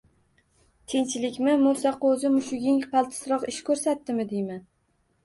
– Tinchlikmi, Mo‘saqo‘zi? Mushuging qaltisroq ish ko‘rsatdimi deyman?